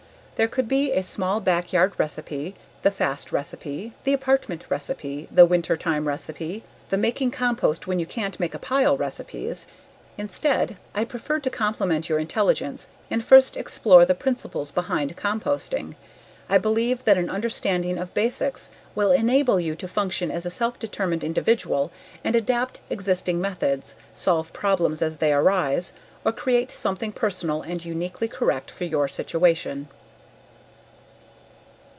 There could be a small backyard recipe, the fast recipe, the apartment recipe, the wintertime recipe, the making compost when you can't make a pile recipes. Instead, I prefer to compliment your intelligence and first explore the principles behind composting. I believe that an understanding of basics will enable you to function as a self determined individual and adapt existing methods, solve problems if they arise, or create something personal and uniquely correct for your situation.